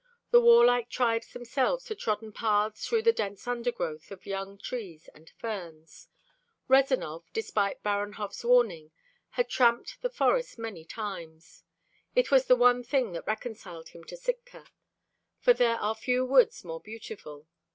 The warlike tribes themselves had trodden paths through the dense undergrowth of young trees and ferns. Rezanov, despite Baranhov's warning, had tramped the forest many times. It was the one thing that reconciled him to Sitka, for there are few woods more beautiful.